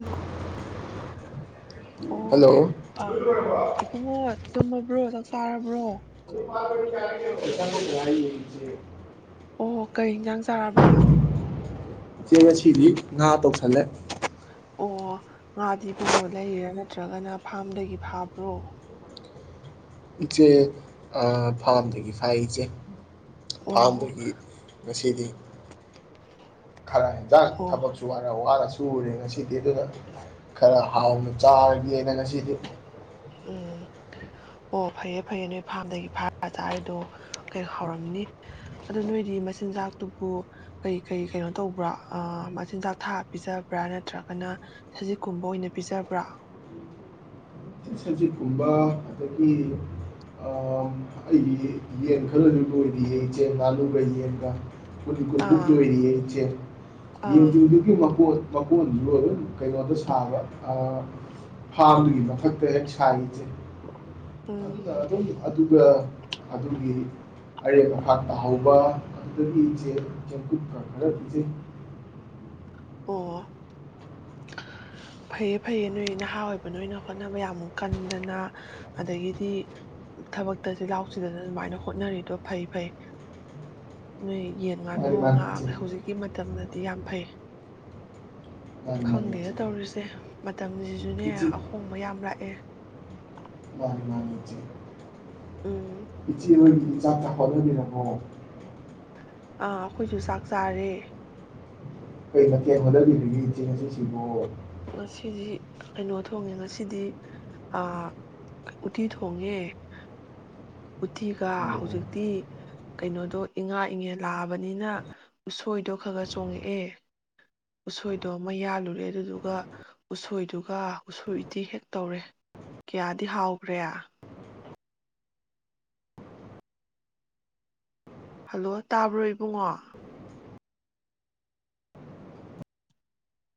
Hello ꯑꯣ hello ꯑ [unintelligible] [unintelligible] ꯇꯨꯝꯃꯕ꯭ꯔꯣ ꯆꯥꯛ ꯆꯥꯔꯕ꯭ꯔꯣ꯫ [unintelligible] ꯑꯣ ꯀꯩ ꯏꯟꯖꯥꯡ ꯆꯥꯔꯕ꯫ ꯏꯆꯦ ꯉꯁꯤꯗꯤ ꯉꯥ ꯇꯧꯁꯜꯂꯦ꯫ ꯑꯣ ꯉꯥꯗꯤ ꯏꯕꯨꯡꯉꯣ ꯂꯩꯔꯥ ꯅꯠꯇ꯭ꯔꯒꯅ ꯐꯥꯝꯗꯒꯤ ꯐꯥꯕ꯭ꯔꯣ꯫ ꯏꯆꯦ ꯑ ꯐꯥꯝꯗꯒꯤ ꯐꯥꯢ ꯏꯆꯦ ꯑꯣ ꯐꯥꯝꯗꯒꯤ ꯉꯁꯤꯗꯤ ꯈꯔ ꯏꯟꯖꯥꯡ ꯑꯣ ꯊꯕꯛ ꯋꯥꯔ ꯋꯥꯔ ꯁꯨꯔꯨꯔꯦ ꯉꯁꯤꯗꯤ ꯑꯗꯨꯅ ꯈꯔ ꯍꯥꯎꯅ ꯆꯥꯔꯒꯦꯅ ꯉꯁꯤꯗꯤ ꯎꯝ꯫ ꯑꯣ ꯐꯩꯌꯦ ꯐꯩꯌꯦ ꯅꯣꯏ ꯐꯥꯝꯗꯒꯤ ꯐꯥꯔ ꯆꯥꯔꯤꯗꯣ ꯀꯩ ꯍꯥꯎꯔꯝꯅꯤ꯫ ꯑꯗꯨ ꯅꯣꯏꯗꯤ ꯃꯆꯤꯟꯖꯥꯛꯇꯨꯕꯨ ꯀꯩ ꯀꯩ ꯀꯩꯅꯣ ꯇꯧꯕ꯭ꯔꯥ ꯑ ꯃꯆꯤꯟꯖꯥꯛ ꯊꯥꯛꯑ ꯄꯤꯖꯕ꯭ꯔꯥ ꯅꯠꯇ꯭ꯔꯒꯅ ꯁꯖꯤꯛꯀꯨꯝꯕ ꯑꯣꯏꯅ ꯄꯤꯖꯕ꯭ꯔꯥ꯫ ꯁꯖꯤꯠꯀꯨꯝꯕ ꯑꯗꯒꯤ ꯑꯩꯒꯤ ꯌꯦꯟ ꯈꯜꯂꯁꯨ ꯂꯣꯏꯔꯤꯌꯦ ꯏꯆꯦ ꯉꯥꯅꯨꯒ ꯌꯦꯟꯒ ꯨꯃꯨꯛ ꯑꯥ ꯂꯣꯏꯔꯤꯌꯦ ꯏꯆꯦ ꯑꯥ ꯌꯦꯟꯖꯤꯡꯗꯨꯒꯤ ꯃꯀꯣꯟ ꯃꯀꯣꯟꯗꯣ ꯀꯩꯅꯣꯗ ꯁꯥꯕ ꯐꯥꯝꯗꯨꯒꯤꯗ ꯛꯇ ꯍꯦꯛ ꯁꯥꯏꯔꯤꯁꯦ ꯎꯝ ꯑꯗꯨꯅ ꯑꯗꯨꯝ ꯑꯗꯨꯒ ꯑꯗꯨꯒꯤ ꯑꯩꯅ ꯃꯈꯥꯛ ꯇꯥꯍꯧꯕ ꯑꯗꯨꯗꯒꯤ ꯏꯆꯦ ꯆꯦꯡꯀꯨꯠꯀ ꯈꯔ ꯄꯤꯖꯩ ꯑꯣ [unintelligible] ꯐꯩꯌꯦ ꯐꯩꯌꯦ ꯅꯣꯏ ꯅꯍꯥ ꯑꯣꯏꯕ ꯅꯣꯏꯅ ꯍꯣꯠꯅꯕ ꯌꯥꯝꯃꯨꯛ ꯀꯟꯗꯅ ꯑꯗꯒꯤꯗꯤ ꯊꯕꯛꯇ ꯆꯤꯜꯍꯥꯎ ꯊꯤꯗꯗꯅ ꯁꯨꯃꯥꯏꯅ ꯍꯣꯠꯅꯔꯤꯗꯣ ꯐꯩ ꯐꯩ꯫ ꯅꯣꯏ ꯌꯦꯟ ꯉꯥꯅꯨ ꯃꯥꯅꯤ ꯃꯥꯅꯤ ꯉꯥ ꯏꯆꯦ ꯍꯧꯖꯤꯛꯀꯤ ꯃꯇꯝꯗꯗꯤ ꯌꯥꯝ ꯐꯩ꯫ ꯃꯥꯅꯤ ꯃꯥꯅꯤ ꯈꯪꯗꯦꯅꯦ ꯏꯆꯦ ꯇꯧꯔꯤꯁꯦ ꯃꯇꯝꯁꯤꯁꯨꯅꯦ ꯏꯆꯦ ꯑꯍꯣꯡꯕ ꯌꯥꯝ ꯂꯥꯛꯑꯦ꯫ ꯃꯥꯅꯤ ꯃꯥꯅꯤ ꯏꯆꯦ ꯎꯝ ꯏꯆꯦ ꯍꯣꯏꯗꯤ ꯆꯥꯛꯀ ꯍꯣꯠꯅꯕꯤꯔꯕꯣ ꯑꯥ ꯑꯩꯈꯣꯏꯁꯨ ꯆꯥꯛ ꯆꯥꯔꯦ꯫ ꯀꯩ ꯃꯊꯦꯟ ꯍꯣꯠꯅꯕꯤꯔꯒꯦ ꯏꯆꯦ ꯉꯁꯤꯁꯤꯕꯣ꯫ ꯉꯁꯤꯗꯤ ꯀꯩꯅꯣ ꯊꯣꯡꯉꯦ ꯉꯁꯤꯗꯤ ꯑ ꯎꯠꯇꯤ ꯊꯣꯡꯉꯦ ꯎꯇꯤꯒ ꯑꯣ ꯍꯧꯖꯤꯛꯇꯤ ꯀꯩꯅꯣꯗꯣ ꯏꯉꯥ ꯏꯉꯦ ꯂꯥꯛꯑꯕꯅꯤꯅ ꯎꯁꯣꯏꯗꯣ ꯈꯔ ꯈꯔ ꯆꯣꯡꯉꯛꯑꯦ ꯎꯁꯣꯏꯗꯣ ꯑꯃ ꯌꯥꯜꯂꯨꯔꯦ ꯑꯗꯨꯗꯨꯒ ꯎꯁꯣꯏꯗꯨꯒ ꯎꯁꯣꯏꯗꯤ ꯍꯦꯛ ꯇꯧꯔꯦ ꯀꯌꯥꯗꯤ ꯍꯥꯎꯈ꯭ꯔꯦ ꯍꯜꯂꯣ ꯇꯥꯕ꯭ꯔꯣ ꯏꯕꯨꯡꯉꯣ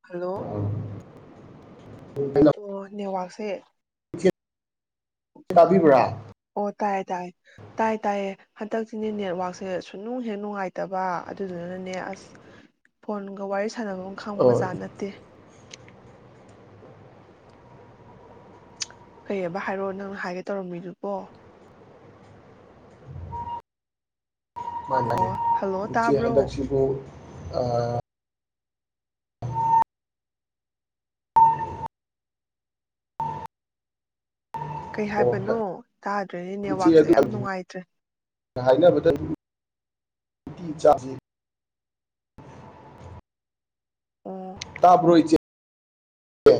ꯍꯜꯂꯣ ꯑꯣ ꯑꯣ ꯅꯦꯠꯋꯥꯔꯛꯁꯦ ꯇꯥꯕꯤꯕ꯭ꯔꯥ ꯑꯣ ꯇꯥꯏ ꯇꯥꯏ ꯇꯥꯏ ꯇꯥꯏꯌꯦ ꯍꯟꯗꯛꯁꯤꯅꯦ ꯅꯦꯠꯋꯛꯁꯦ ꯁꯨꯅꯨꯡ ꯍꯦ ꯅꯨꯡꯉꯥꯏꯇꯕ ꯑꯗꯨꯗꯨꯅꯅꯦ ꯑꯁ ꯐꯣꯟꯒ ꯋꯥꯔꯤ ꯁꯥꯟꯅꯕ ꯑꯃ ꯑꯣ ꯈꯪꯕꯖꯥꯠ ꯅꯠꯇꯦ ꯀꯩ ꯍꯥꯏꯕ ꯍꯥꯏꯔꯛꯣ ꯅꯪꯅ ꯍꯥꯏꯒꯦ ꯇꯧꯔꯝꯃꯤꯗꯨꯕꯣ ꯑꯣ ꯍꯜꯂꯣ ꯃꯥꯂꯒꯦꯆꯦ ꯇꯥꯕ꯭ꯔꯣ ꯍꯗꯁꯤꯕꯨ ꯑ ꯀꯩ ꯑꯣ ꯍꯥꯏꯕꯅꯣ ꯇꯥꯗ꯭ꯔꯦꯅꯦ ꯏꯆꯦ ꯅꯦꯠꯋꯥꯛꯁꯦ ꯑꯗꯨ ꯌꯥꯝ ꯅꯨꯡꯉꯥꯏꯇ꯭ꯔꯦ ꯍꯥꯏꯅꯕꯗ ꯅꯨꯡꯇꯤ ꯆꯁꯤ ꯑꯣ ꯇꯥꯕ ꯔꯣꯏ